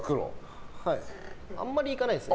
あんまり行かないです。